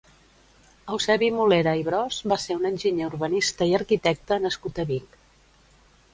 Eusebi Molera i Bros va ser un enginyer, urbanista i arquitecte nascut a Vic.